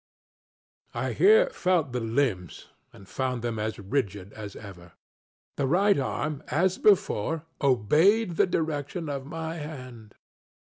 ŌĆØ I here felt the limbs and found them as rigid as ever. The right arm, as before, obeyed the direction of my hand.